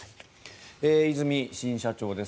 和泉新社長です